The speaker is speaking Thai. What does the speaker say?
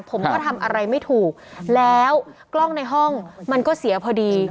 ผมก็ทำอะไรไม่ถูกแล้วกล้องในห้องมันก็เสียพอดี